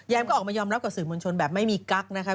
ก็ออกมายอมรับกับสื่อมวลชนแบบไม่มีกั๊กนะคะ